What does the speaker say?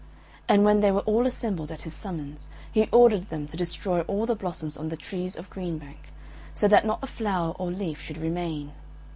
And when they were all assembled at his summons, he ordered them to destroy all the blossoms on the trees of Green Bank, so that not a flower or leaf should remain.